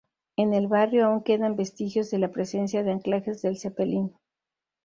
En el barrio aún quedan vestigios de la presencia de anclajes del Zeppelin.